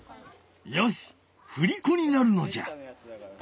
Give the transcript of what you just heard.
よしふりこになるのじゃ！